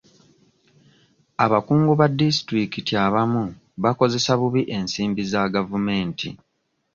Abakungu ba disitulikiti abamu bakozesa bubi ensimbi za gavumenti.